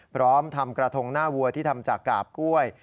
พร้อมทำกระทงหน้าวัวที่ทำจากกาบกล้วย